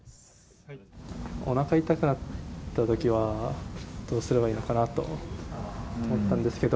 おなか痛くなったときは、どうすればいいのかなと思ったんですけど。